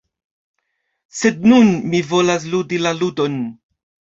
Sed nun mi volas ludi la ludon.